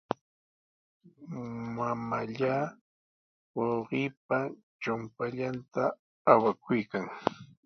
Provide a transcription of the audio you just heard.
Mamallaa wawqiipa chumpallanta awakuykan.